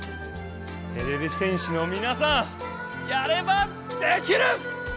てれび戦士のみなさんやればできる！